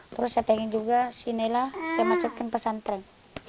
terus saya pengen juga si nela saya masukin pesantren